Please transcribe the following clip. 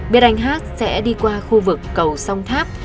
biết anh hát sẽ đi qua khu vực cầu song tháp